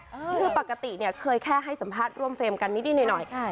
คือปกติเนี่ยเคยแค่ให้สัมภาษณ์ร่วมเฟรมกันนิดหน่อย